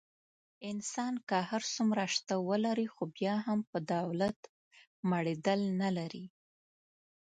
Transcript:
انسان که هر څومره شته ولري. خو بیا هم په دولت مړېدل نه لري.